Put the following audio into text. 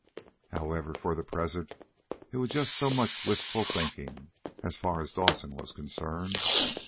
However, for the present, it was just so much wishful thinking as far as Dawson was concerned.